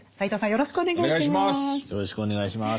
よろしくお願いします。